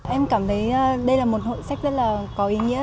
em cảm thấy đây là một hội sách rất là có ý nghĩa